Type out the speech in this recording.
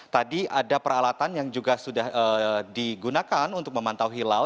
tadi ada peralatan yang juga sudah digunakan untuk memantau hilal